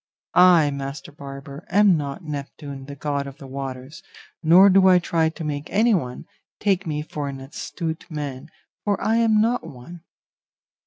I, master barber, am not Neptune, the god of the waters, nor do I try to make anyone take me for an astute man, for I am not one.